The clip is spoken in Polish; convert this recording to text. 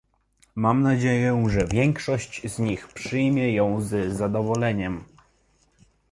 Mam nadzieję, że większość z nich przyjmie ją z zadowoleniem